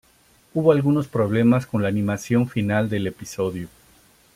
Hubo algunos problemas con la animación final del episodio.